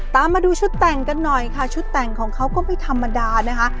ตามมาดูชุดแต่งกันหน่อยค่ะชุดแต่งของเขาก็ไม่ธรรมดานะคะ